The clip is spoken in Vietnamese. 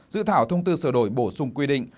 dự thảo thông tư sửa đổi bổ sung quy định